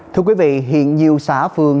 thưa quý vị hiện nhiều xã phường